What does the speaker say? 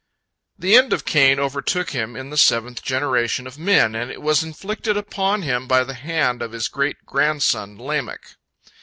The end of Cain overtook him in the seventh generation of men, and it was inflicted upon him by the hand of his great grandson Lamech.